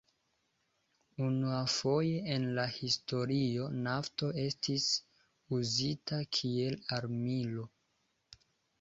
Unuafoje en la historio nafto estis uzita kiel armilo.